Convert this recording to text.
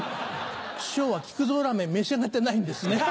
師匠は木久蔵ラーメン召し上がってないんですね。